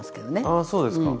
あそうですか。